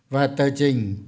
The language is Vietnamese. và tờ trình